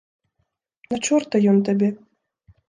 На чорта ён табе.